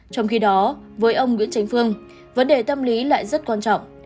trong khi đó với ông nguyễn tránh phương vấn đề tâm lý lại rất quan trọng